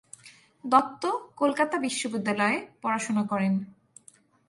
দত্ত কলকাতা বিশ্ববিদ্যালয়ে পড়াশোনা করেন।